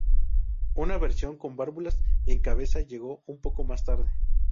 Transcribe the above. Una versión con válvulas en cabeza llegó un poco más tarde.